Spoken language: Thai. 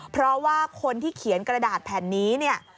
เพราะว่าคนที่เขียนกระดาษแผ่นนี้เนี่ย